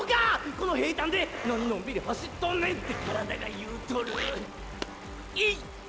この平たんで何のんびり走っとんねん」って体が言うとるいっ！